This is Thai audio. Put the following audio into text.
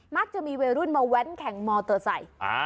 มักจะมีเวรุ่นมาแว๊นแข่งมอเตอร์สัย